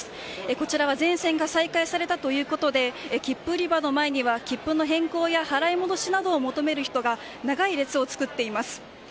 こちらは全線が再開されたということで切符売り場の前には切符の変更や払い戻しを求める人などが長い列を作っています。